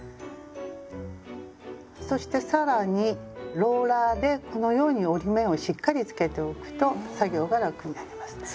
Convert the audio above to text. そして更にローラーでこのように折り目をしっかりつけておくと作業が楽になります。